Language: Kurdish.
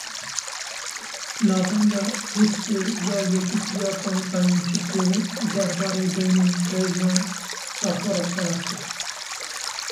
Navenda Rîskê ya Yekîtiya Bankayên Tirkiyeyê derbarê deynên krediyan raporek belav kir.